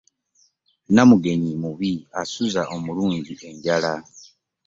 Namugenyi mubi-asuuza omulungi enjala.